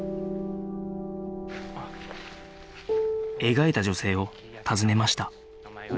描いた女性を訪ねました